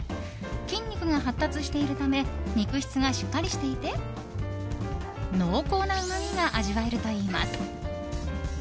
筋肉が発達しているため肉質がしっかりしていて濃厚なうまみが味わえるといいます。